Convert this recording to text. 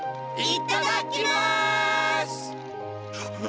いただきます！